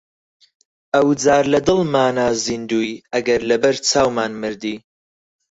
ئەو جار لە دڵمانا زیندووی ئەگەر لەبەر چاومان مردی!